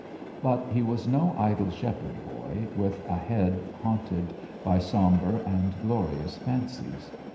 But he was no idle shepherd boy with a head haunted by sombre and glorious fancies.